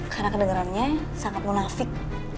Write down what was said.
karena kedengerannya sangat munafik